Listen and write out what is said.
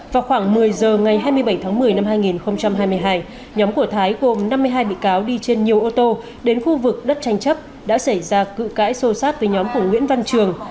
vào khoảng một mươi giờ ngày hai mươi bảy tháng một mươi năm hai nghìn hai mươi hai nhóm của thái gồm năm mươi hai bị cáo đi trên nhiều ô tô đến khu vực đất tranh chấp đã xảy ra cự cãi sô sát với nhóm của nguyễn văn trường